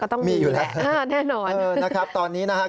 ก็ต้องมีแหละแน่นอนนะครับตอนนี้นะครับ